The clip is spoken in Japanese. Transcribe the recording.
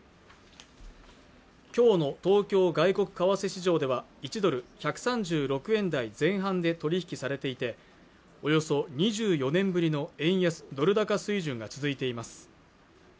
きょうの東京外国為替市場では１ドル＝１３６円台前半で取り引きされていておよそ２４年ぶりの円安ドル高水準が続いています